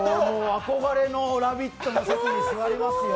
憧れの「ラヴィット！」の席に座りますよ。